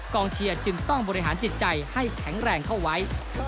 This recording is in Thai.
เชียร์จึงต้องบริหารจิตใจให้แข็งแรงเข้าไว้